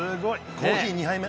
コーヒー２杯目。